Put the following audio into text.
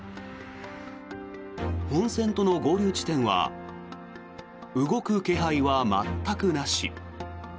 本線との合流地点は動く気配は全くなし。